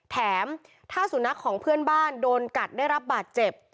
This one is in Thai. แถมถ้าสุนัขของเพื่อนบ้านโดนกัดได้รับบาดเจ็บ